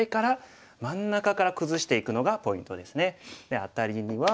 アタリには。